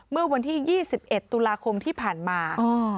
เมื่อวันที่๒๑ตุลาคมที่ผ่านมา